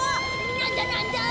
なんだなんだ！？